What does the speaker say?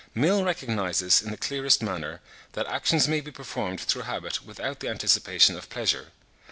ii. p. 422) in the clearest manner, that actions may be performed through habit without the anticipation of pleasure.